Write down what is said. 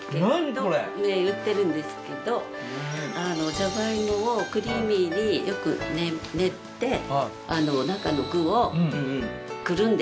じゃがいもをクリーミーによく練って中の具をくるんでるんです。